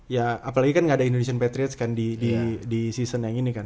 ya apalagi kan gak ada indonesian patriots kan di season yang ini kan